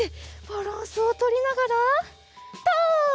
バランスをとりながらとう！